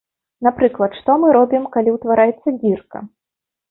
Напрыклад, што мы робім, калі ўтвараецца дзірка?